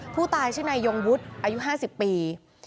ผู้ตายชื่อนายยงวุฒิอายุ๕๐ปี